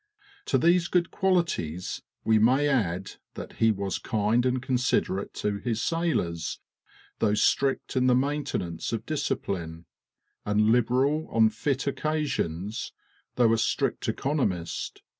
To these good qualities we may add that he was kind and considerate to his sailors, though strict in the maintenance of discipline; and liberal on fit occasions, though a strict economist.